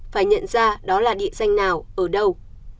phải nhận ra đó là địa danh nào ở đâu